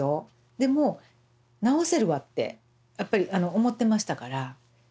でも治せるわってやっぱり思ってましたから。